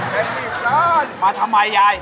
แบบนี้บ้านมาทำไมยาย